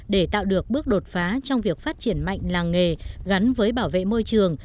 để tạo được bước đột phá trong việc phát triển mạnh làng nghề gắn với bảo vệ môi trường